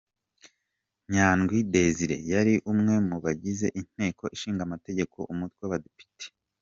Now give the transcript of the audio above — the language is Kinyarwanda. Nyandwi Desire yari umwe mu bagize inteko ishinga amategeko umutwe w'abadepite.